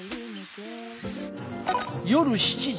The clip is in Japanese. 夜７時。